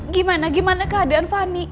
gimana gimana keadaan fani